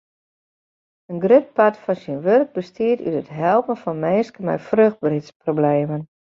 In grut part fan syn wurk bestiet út it helpen fan minsken mei fruchtberheidsproblemen.